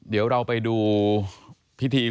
เดี๋ยวเราไปดูพิธี